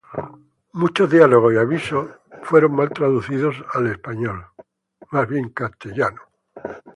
Muchos diálogos y avisos fueron mal traducidos al español.